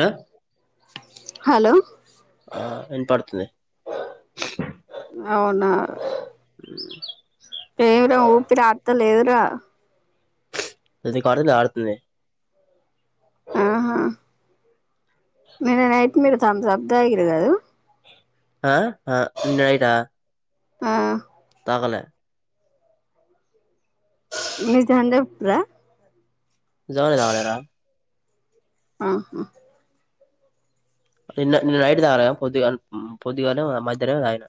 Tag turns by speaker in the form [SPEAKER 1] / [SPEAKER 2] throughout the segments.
[SPEAKER 1] ఆ
[SPEAKER 2] హలో
[SPEAKER 1] ఆ వినపడుతుంది
[SPEAKER 2] అవునా పేరు ఊపిరీ అపుత లే రా
[SPEAKER 1] అది కార్నర్ లో ఆడుతుంది
[SPEAKER 2] ఆహా నిన్న నైట్ మీరు చాల జాబ్ తాగిరు కదు
[SPEAKER 1] ఆ ఆ నిన్న నైట
[SPEAKER 2] ఆ
[SPEAKER 1] తాగలే
[SPEAKER 2] నిజం చెప్పు రా
[SPEAKER 1] నిజంగానే తాగలే రా
[SPEAKER 2] ఆహా
[SPEAKER 1] నిన్న నిన్న నైట్ తాగలే కానీ పొదిగా పొదిగానో మధ్యానం తాగిన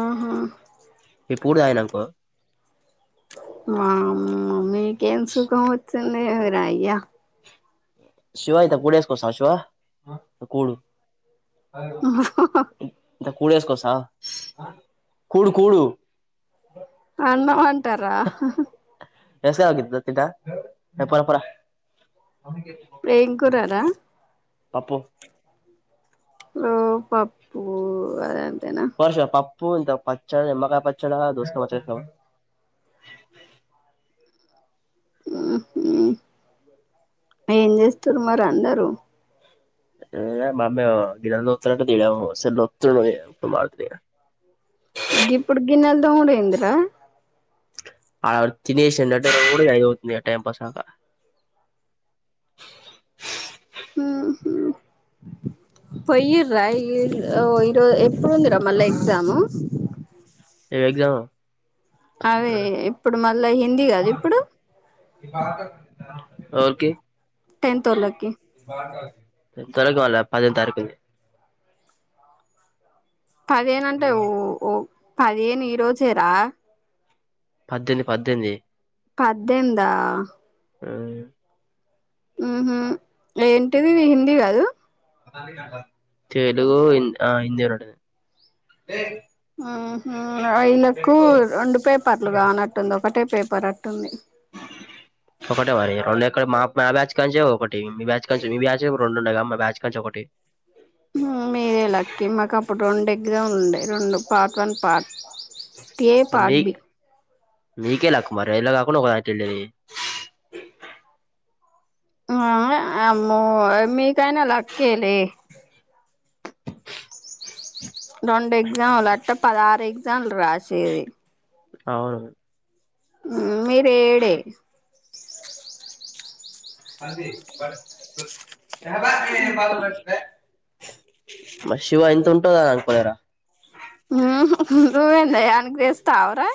[SPEAKER 2] ఆహమ్
[SPEAKER 1] ఇప్పుూడు ఆయనకో
[SPEAKER 2] మా మమ్మీ కన్సు కా సన్నర అయ్యా
[SPEAKER 1] శివా ఇయితే కూడసుకోసా శివా కూడు
[SPEAKER 2] ఓ
[SPEAKER 1] ఇంత కూడ వేసుకోసా కూడు కూడు
[SPEAKER 2] అన్నంట ఇంటారా
[SPEAKER 1] రెస్గా తింటా ఎప్పుర పరా
[SPEAKER 2] వేంకరారా
[SPEAKER 1] అప్పు
[SPEAKER 2] ఓ పప్పుూ అదే
[SPEAKER 1] పర్షా పా పోంత పచ్చచ్చడా మాకా పచ్చచ్చడా దోస్త మ
[SPEAKER 2] ఏం చేస్తారు మరి అందరూ
[SPEAKER 1] మామ గిరలో త తడాస లోత్ర మడుతు
[SPEAKER 2] గిపుడ్గినెల్ ద ఉఊరంద్ర
[SPEAKER 1] అ తినేసి అయితుంది టైం పాస్ాకా
[SPEAKER 2] పోయ రా ఇ ఎప్పుడుందిరా మళ్ళ ఎగ్జాము
[SPEAKER 1] ఎమ్ ఎగ్జామ్
[SPEAKER 2] అదే ఇప్పుడు మళ్ళా హిందీ కాద ఇప్పుడు
[SPEAKER 1] ఎవరికి
[SPEAKER 2] టెన్త్ వొళ్ళకి
[SPEAKER 1] తరకవాల పదిహేనుతారికుంది.
[SPEAKER 2] పదిహేనుంటే ఓ ఓ పదిహేను ఈ రోజేరా
[SPEAKER 1] పద్దేంది పద్దేంది
[SPEAKER 2] పద్దేందా
[SPEAKER 1] ఆ
[SPEAKER 2] ఉహుం ఏంటిది హిందీ కదు
[SPEAKER 1] తెలుగు హింద్ ఆ హిందీ రెండు
[SPEAKER 2] ఆహుం ఇళ్లాకు రెండు పేపర్లు కానట్టుంది. ఒకటే పేపర్ అట్ ఉంది
[SPEAKER 1] ఒకటే మరి రెండు ఎక్కడ మా మా బ్యాచ్ కంచ ఒకటి మీ బ్యాచ్ కంచ్ మీ బ్యాచ్ రెండుండగా మా బ్యాచ్ కంచ ఒకటి
[SPEAKER 2] మీరే లక్కీ మాకు అప్పుడు రెండు ఎగ్దామ్ లు ఉండే రెండు part one part A part B
[SPEAKER 1] మీకె లక్ మరి ఏళ్ల కాకుంటే ఒకళ వచ్చిండేది.
[SPEAKER 2] ఆ అమ్మో మీ కయనా లక్కేలే రెండు ఎగ్జాములు అట్ట పదహారు ఎగ్జాములు రాసేది
[SPEAKER 1] అవును
[SPEAKER 2] మీరేడే
[SPEAKER 1] పంది బట్ గుట్ మ శివ ఇంత ఉంటుందా. పోయారా
[SPEAKER 2] నువ్వే ఎందయ్య ఆనిక్ తెస్తవురా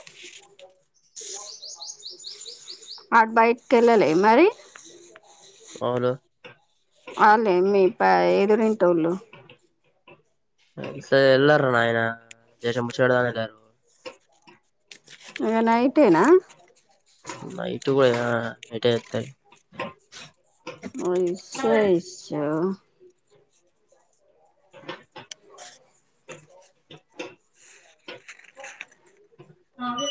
[SPEAKER 2] అడ్ బయటికి ఎల్లలే మరి
[SPEAKER 1] అవును
[SPEAKER 2] అలే మీ ప ఎదురింటోళ్ళు
[SPEAKER 1] ఈ సారి వెళ్ళరురా నాయన జెర్షెప్ ముచ్చాడవేడదామని ఎల్లారు.
[SPEAKER 2] ఓ నైటేనా
[SPEAKER 1] నైట్ కూడా నా ఎటు ఎల్తే
[SPEAKER 2] వోశ్షశో
[SPEAKER 1] అవ్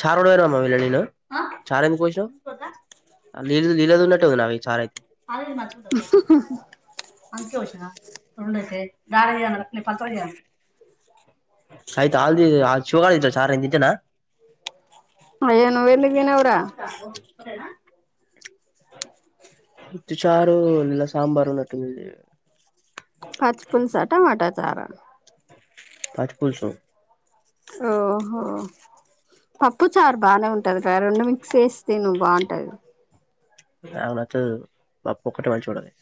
[SPEAKER 1] చార్ వడ వరమాలలీ చారెందుకు పోసావు నీళ్లు నీలలు న చారు అది మర్చకుడదా అ [unintelligible]
[SPEAKER 2] అయ్యో నువెందుకు తీనావురా
[SPEAKER 1] క వుత్తి చారు ఇలా సాంబారు ఉన్నటు ఉంది.
[SPEAKER 2] పచ్ పుల్ సా టమాటా చారా
[SPEAKER 1] పచ్ పులుసు
[SPEAKER 2] ఓహో పప్పు చారు బానే ఉంటది, గా రెండు మిక్స్ చేస్ తిను బాగుంటది.
[SPEAKER 1] అవునక్కొ పప్పు ఒకటి వాడి చూడాలి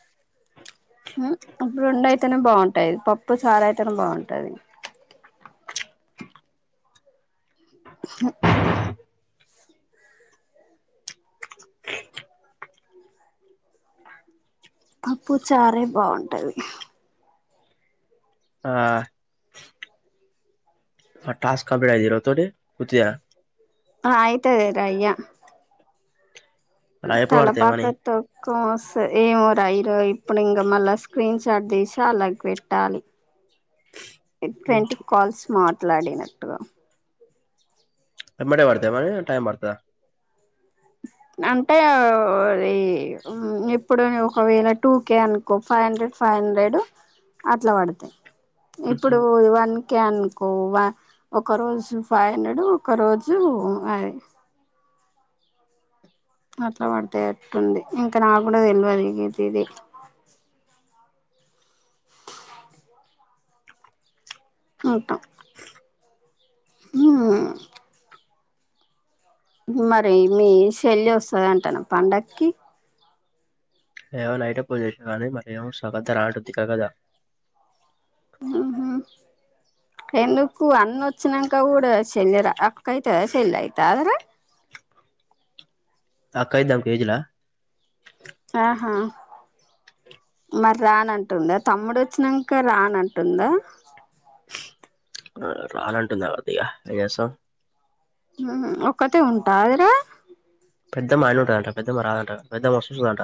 [SPEAKER 2] మ్ ఇప్పుడు రెండైయితేనే బాగుంటది పప్పు చారైయితేనే బాగుంటది. పప్పు చారే బాగుంటది
[SPEAKER 1] ఆ ఆ టాస్ కంప్లీట్ యా ఈ రోజ్ తోటి ఉత్తియా
[SPEAKER 2] ఆ ఆయితాదిరా అయ్య
[SPEAKER 1] అలా ఎప్పుడు
[SPEAKER 2] తల
[SPEAKER 1] పడతాయి మనీ
[SPEAKER 2] పాకతో కోమ్ స్ ఏమో రా యిరో ఇప్పుడు ఇంగ మళ్ళా స్క్రీన్ షాట్ తీసి అలాకి పెట్టాలి ఇ ట్వంటీ కాల్స్ మాట్ ట్లాడినట్టుగా
[SPEAKER 1] ఎమ్మటే పడ్ తయా మరి టైమ్ పడ్ తాదా
[SPEAKER 2] అంటే అది ఇప్పుడు ఒకవేళ టూ కే అనుకో ఫైవ్ హండ్రెడ్, ఫైవ్ హండ్రెడ్, అట్లా పడ్ తాయి. ఇప్పుడూ ఈ వన్ ఓకే అనుకో ఒక రోజు ఫైవ్ హండ్రెడ్ ఒక రోజు అయి అట్లా పడితే అట్టుంది ఇంకా నాకు తెలివదిగితే ఇది అంటాం మ్మ్ హు మరి మీ చెెల్లి వస్తదంటనా పండకి
[SPEAKER 1] ఏమో నైటే పోన్ చేసింది కానీ, మరి ఏమో సడన్ గా రానంటది కా గదా.
[SPEAKER 2] హ్మ్ హు ఎందుకు అన్న వచ్చినాంక కూడా చెల్లెర కైతద సేల్ ఆయితాదిర
[SPEAKER 1] తక్ యిదాం కేేజిలా
[SPEAKER 2] ఆహా మరి రానంటుందా, తమ్ముడు వచ్చినాంకా రానంటుందా.
[SPEAKER 1] ఆ రాన్ అంటుంది ఆ దిగా ఏం చేస్తాం
[SPEAKER 2] హ్మ్ ఒక్కతే ఉంటాది రా
[SPEAKER 1] పెద్దమ్మ ఆడ్ నే ఉంటదంట పెద్దమ్మ రాదంట పెద్ద వస్ సుదంట.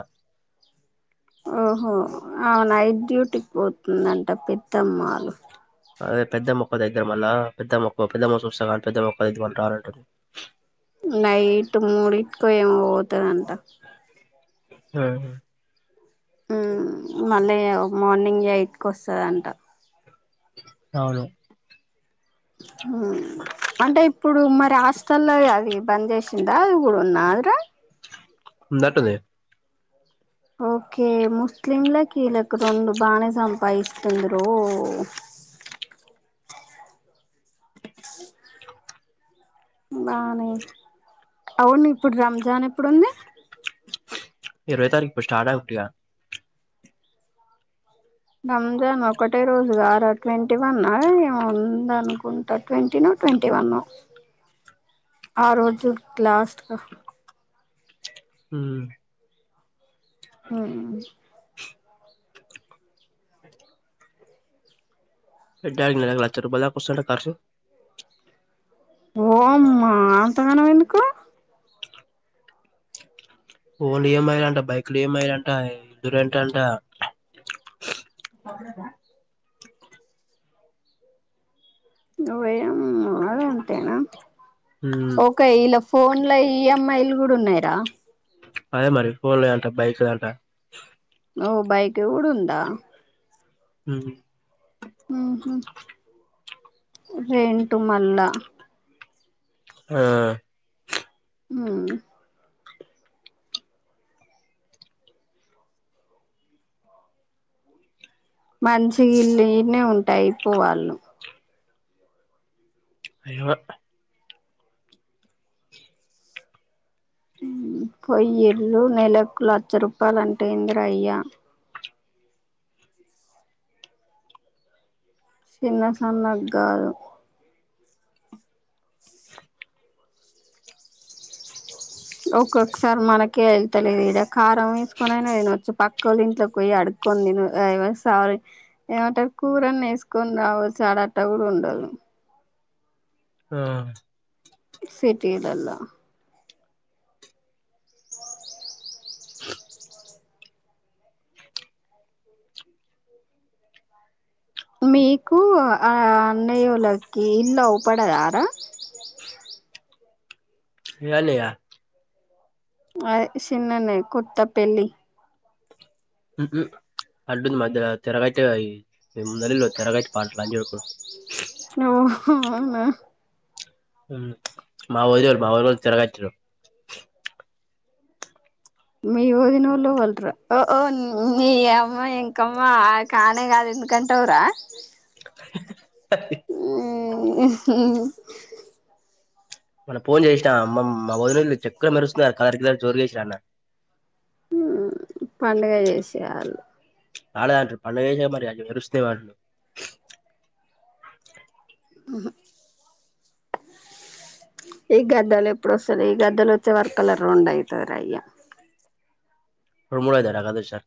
[SPEAKER 2] ఓహో ఆ నైట్ డ్యూటీకి పోతుందంట పెద్దమ్మలు
[SPEAKER 1] అదే పెద్దమ్మ ఒక్కదయితే మళ్ళా పెద్దమ్మ మొకో, పెద్దమ్మ చూస్తా కానీ పెద్దమొక్కదాయిది మళ్ళ రానంటుంది.
[SPEAKER 2] నైట్ మూడిట్కో ఏమో పోతదంట
[SPEAKER 1] ఆ
[SPEAKER 2] ఉమ్ మళ్ళీ మార్నింగ్ ఎయిట్కి వస్తదంట
[SPEAKER 1] అవును
[SPEAKER 2] అంటే ఇప్పుడు మరి హాస్టల్లో అది బంద్ చేసిందా అది కూడా ఉన్నాది రా
[SPEAKER 1] ఉందట్ దే
[SPEAKER 2] ఓకే ముస్లింల కీలకు, రెండు బానే సంపాయిస్తుందిరో. బానే అవును ఇప్పుడు రంజాన్ ఎప్పుడుంది
[SPEAKER 1] ఇరవై తారీఖు ఇప్ స్టార్ట్ ఆవుద్ది గా
[SPEAKER 2] రంజాన్ ఒకటే రోజ్ గార ట్విన్ ట్వంటీవన్నా ఏం ఉంద న్ కుంటా ట్వంటీ నో ట్వంటీ వన్ ఆ రోజు లాస్ట్ గా
[SPEAKER 1] హ్మ్
[SPEAKER 2] హ
[SPEAKER 1] బడ్డతారు లక్ష రూపాయల దాకా వస్తది అంట కార్సు
[SPEAKER 2] ఓమ్మా తానం ఎందుకు
[SPEAKER 1] ఓన్లు ఏమయ్యాలంట బైక్లు ఏమయాలంట ఇంటి రెంట్ టంట
[SPEAKER 2] ను వయం అ అంతేనా
[SPEAKER 1] మ్మ్
[SPEAKER 2] ఓకె ఇలా ఫోన్ లో ఈఎంఐలు కూడా ఉన్నాయిరా
[SPEAKER 1] అదే మరి ఫోన్ ఏంట బైక్ దంట
[SPEAKER 2] ఓ బైకి గూడ ఉడుందా
[SPEAKER 1] అ
[SPEAKER 2] రెంట మళ్ళా
[SPEAKER 1] ఆ
[SPEAKER 2] ఊ మంచి ఇల్లు ఇడనే ఉంటె అయిపో వాళ్ళు
[SPEAKER 1] అయ పో
[SPEAKER 2] పొయ్యల్లుు నెలకు లక్ష రూపాయలు అంటే ఇందిరా అయ్యా చిన్న సన్నగ్ గారు ఒక్కొక్కసారి మనకే వెళ్తలేదు ఇద కారం ఒకొక్క ఒకొక్క సారి మనకే అయితలేదు ఇడ కారం వేసుకొనినా తినచ్చు పక్క వాళ్ళ ఇంట్లోకి పోయి అడుక్కొని సారీ ఏమంటారు కూరని వేసుకొని రావచ్చు రావల్సి ఆడట్ట కూడా ఉండదు.
[SPEAKER 1] ఆ
[SPEAKER 2] సిటీీలలో మీకు ఆ అన్నయ్యలకి ఇల్లు అవ పడదారా
[SPEAKER 1] హలోలియా
[SPEAKER 2] అ చిన్ననే కొత్తపెళ్లి
[SPEAKER 1] ఉ ఊ అంటుంది మధ్య తెరగ అతే నల తెరగా అయితే పాటాల అడుకో లంజోడుకులు
[SPEAKER 2] అ
[SPEAKER 1] మావో బవో తరగాట్రు
[SPEAKER 2] మీ ఊదినఊళ్ళవలరా ఓఓ మీ అమ్మ ఇంకమ్మా కానే కాదు ఎందుకంటేవరా
[SPEAKER 1] [inaudible] [unintelligible] సక్తి
[SPEAKER 2] [unintelligible]
[SPEAKER 1] మన ఫోన్ చేసినా అమ్మమ్ మా భోజన ఎక్కడ మెరుస్తున్నారు కలరి కల జోరుగాసా అన్న
[SPEAKER 2] పడుగ చేసేవాళ్ళు
[SPEAKER 1] నాలాంట పన్న వస మరి అ మరుసే వాంట
[SPEAKER 2] అహ ఈ గద్దలు ఎప్పుడు వస్తంది ఈ గద్దలు వచ్చే వర్కలర్ రెం అవుతారు అయ్యా
[SPEAKER 1] హమడయద కద సార్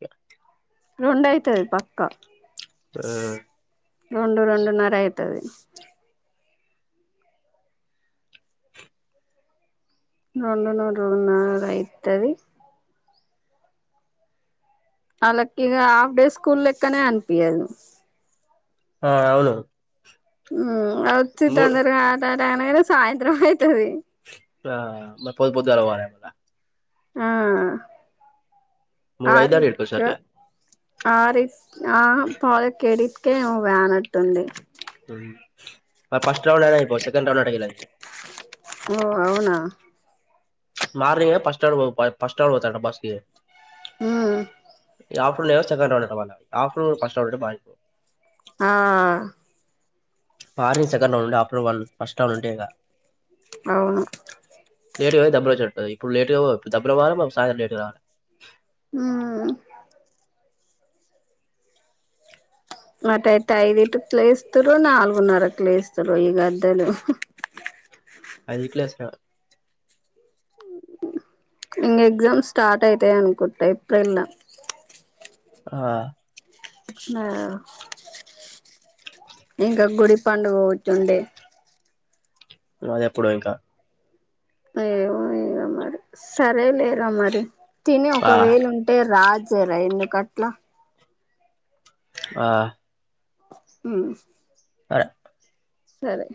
[SPEAKER 2] రెండయితుది పక్కా రెండు రెండున్నర అవుతుది రెండు నూ ర నాలుగు అయితుది వాళ్ళకి ఇ హాఫ్ డే స్కూల్ లెక్కనే అనిపిించదు
[SPEAKER 1] ఆ అవును
[SPEAKER 2] ఆ అవుచ్చ
[SPEAKER 1] మూడు
[SPEAKER 2] తొందరగా ఎననా సాయంత్రం అవుతుది
[SPEAKER 1] ఆ మ పో పొద్దు పొద్దుగాలగా పారాడుతా
[SPEAKER 2] ఆ
[SPEAKER 1] మూడైతాది ఈటికి
[SPEAKER 2] ఆరింటికి
[SPEAKER 1] వచ్చేసరికి
[SPEAKER 2] ఆ రీస్ [unintelligible] టుంది
[SPEAKER 1] ఫస్ట్ రౌండ్ లోనే అయిపో సెకండ్
[SPEAKER 2] ఓ అవునా
[SPEAKER 1] [unintelligible] మార్నింగ్ ఏ ఫస్ట్ రౌండ్ పో ఫస్ట్ రౌండ్ పోతాడంట బస్ కి
[SPEAKER 2] హు
[SPEAKER 1] ఇప్పుడు ఏమో సెన్కండ్ రౌండ్ అన్నమాట ఆఫ్టర్నూన్ ఫస్ట్ రౌండ్ బాగా
[SPEAKER 2] ఆ
[SPEAKER 1] మార్నింగ్ సెకండ్ రౌండ్ ఉండి ఆఫ్టర్నూన్ వన్ ఫస్ట్ రౌండ్ ఉంటే ఇక
[SPEAKER 2] అవును
[SPEAKER 1] లేట్ గా పోయి డబ్బులు వచ్చినట్టు ఓయ్ ఇప్పుడు లేటుగా పో దబ్బవారా పో సాయంత్రం లేట్ గరా
[SPEAKER 2] ఉ మతాయిత్తు అయిదు ఇటు లేస్తురు నాలుగున్నర్ లేస్తురు ఈ గడలు
[SPEAKER 1] అది [unintelligible]
[SPEAKER 2] ఇంక ఎగ్జామ్ స్టార్ట్ అయితాయి అనుకుంటా ఏప్రిల్ ల
[SPEAKER 1] ఆ
[SPEAKER 2] నా ఇంకా గుడిపా [unintelligible] ఓ చుండె
[SPEAKER 1] అది అప్పుడో ఇంకా
[SPEAKER 2] ఏమో ఏమో మరి సరే లేరా మరి తిని
[SPEAKER 1] ఆ
[SPEAKER 2] ఒకవేళ ఉంటే రా సరే ఎందుకు అట్లా
[SPEAKER 1] ఆ
[SPEAKER 2] హ
[SPEAKER 1] అదే
[SPEAKER 2] సరే